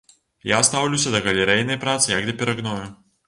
Я стаўлюся да галерэйнай працы як да перагною.